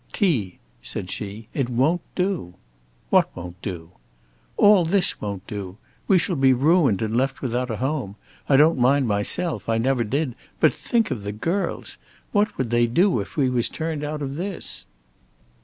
"T.," said she, "it won't do." "What won't do?" "All this won't do. We shall be ruined and left without a home. I don't mind myself; I never did; but think of the girls! What would they do if we was turned out of this?"